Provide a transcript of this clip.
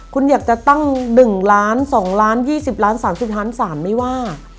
คุณอยากจะตั้ง๑ล้าน๒ล้าน๒๐ล้าน๓๐ล้าน๓ไม่ว่า